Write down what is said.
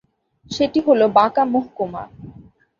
সেটি হল বাঁকা মহকুমা।